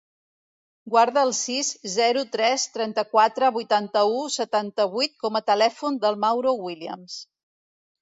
Guarda el sis, zero, tres, trenta-quatre, vuitanta-u, setanta-vuit com a telèfon del Mauro Williams.